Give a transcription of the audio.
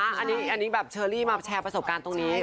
อันนี้แบบเชอรี่มาแชร์ประสบการณ์ตรงนี้